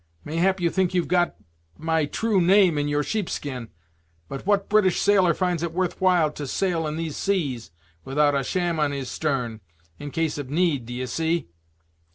May hap you think you've got my true name in your sheep skin; but what British sailor finds it worth while to sail in these seas, without a sham on his stern, in case of need, d'ye see.